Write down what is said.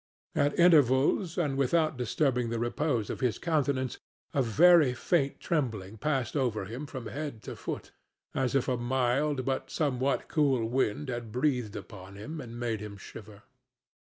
At intervals, and without disturbing the repose of his countenance, a very faint trembling passed over him from head to foot, as if a mild but somewhat cool wind had breathed upon him and made him shiver.